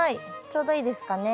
ちょうどいいですかね。